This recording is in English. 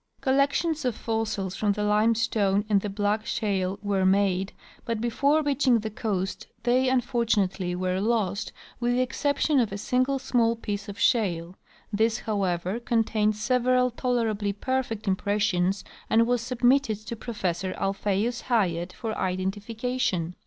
Col lections of fossils from the limestone and the black shale were made, but before reaching the coast they unfortunately were lost, with the exception of a single small piece of shale ; this, however, contained several tolerably perfect impressions and was submitted to Professor Alpheus Hyatt for identification.